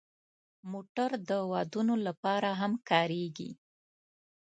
موټر د ودونو لپاره هم کارېږي.